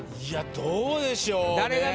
いやどうでしょうね。